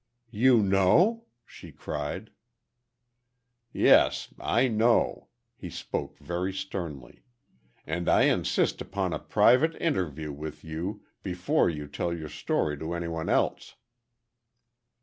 "You know?" she cried. "Yes—I know," he spoke very sternly. "And I insist upon a private interview with you, before you tell your story to any one else."